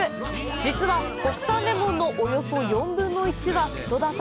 実は、国産レモンのおよそ４分の１は瀬戸田産。